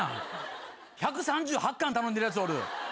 １３８貫頼んでるやつおる。